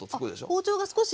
包丁が少し今。